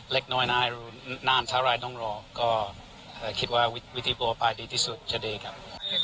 เล็กน้อยนะนานเท่าไรต้องรอก็คิดว่าวิธีปลอดภัยดีที่สุดจะดีครับ